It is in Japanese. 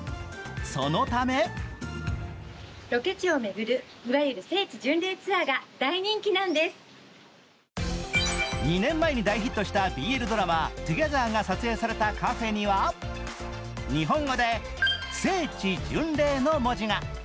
そのため２年前に大ヒットしたＢＬドラマ「２ｇｅｔｈｅｒ」が撮影されたカフェには日本語で「聖地巡礼」の文字が。